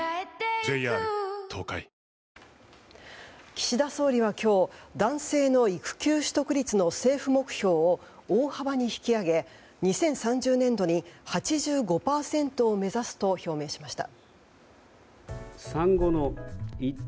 岸田総理は今日男性の育休取得率の政府目標を大幅に引き上げ２０３０年度に８５％を目指すと表明しました。